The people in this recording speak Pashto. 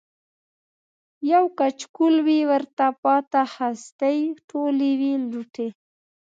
یو کچکول وي ورته پاته هستۍ ټولي وي لوټلي